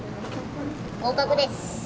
合格です